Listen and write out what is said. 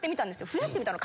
増やしてみたの。